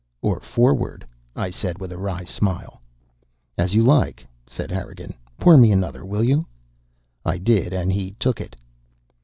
"Or forward," I said with a wry smile. "As you like," said Harrigan. "Pour me another, will you?" I did and he took it.